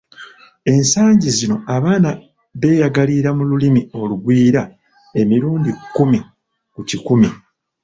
Esangi zino abaana beeyagalira mu lulimi olugwira emirundi kkumi ku kikumi.